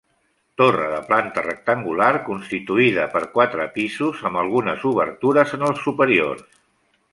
Torre de planta rectangular constituïda per quatre pisos amb algunes obertures en els superiors.